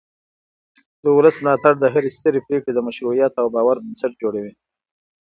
د ولس ملاتړ د هرې سترې پرېکړې د مشروعیت او باور بنسټ جوړوي